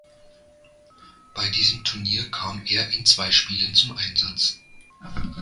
Bei diesem Turnier kam er in zwei Spielen zum Einsatz.